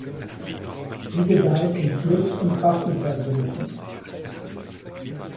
Sie gedeiht in Fluss- und Bachufer-Sümpfen.